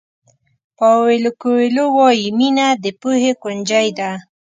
پاویلو کویلو وایي مینه د پوهې کونجۍ ده.